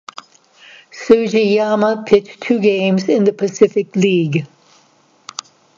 Sugiyama pitched two games in the Pacific League.